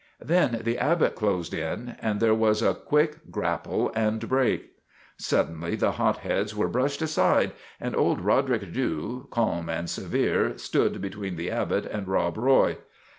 Then The Abbot closed in, and there was a quick grapple and break. " Suddenly the hotheads were brushed aside and old Roderick Dhu, calm and severe, stood between The Abbot and Rob Roy.